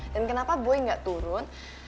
dan kenapa boy gak turun